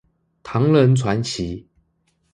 唐人傳奇